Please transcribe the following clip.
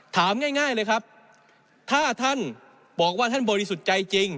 ถามง่ายเลยครับถ้าท่านบอกว่าท่านบริสุทธิ์ใจจริง